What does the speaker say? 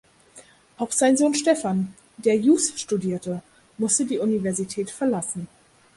Auch sein Sohn Stefan, der Jus studierte, musste die Universität verlassen.